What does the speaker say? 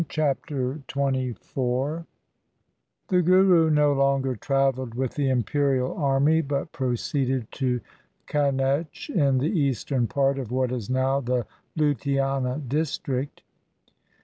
Chapter XXIV The Guru no longer travelled with the imperial army, but proceeded to Kanech in the eastern part of what is now the Ludhiana district.